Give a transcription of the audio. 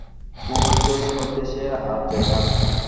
বৌমা-সেই হইতে সে আর যায় না।